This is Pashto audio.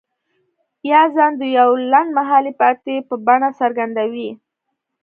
يا ځان د يوې لنډ مهالې ماتې په بڼه څرګندوي.